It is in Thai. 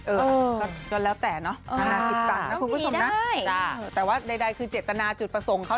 เออก็แล้วแต่นะคุณผู้ชมนะแต่ว่าใดคือเจตนาจุดประสงค์เขา